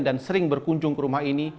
dan sering berkunjung ke rumah ini